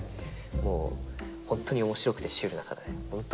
もう本当に面白くてシュールな方で本当